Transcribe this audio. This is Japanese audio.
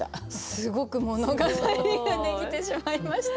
すごく物語ができてしまいました。